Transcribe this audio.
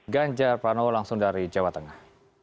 ganjar pranowo langsung dari jawa tengah